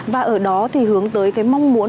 và ở đó thì hướng tới cái mong muốn